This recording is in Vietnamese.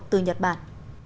từ nhật bản